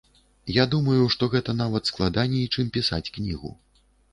Я думаю, што гэта нават складаней, чым пісаць кнігу.